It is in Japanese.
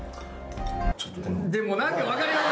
何か分かります